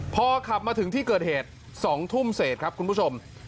พอขับมาถึงที่เกิดเหตุ๒ทุ่มเศษครับคุณผู้ชม